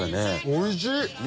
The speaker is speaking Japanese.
おいしい！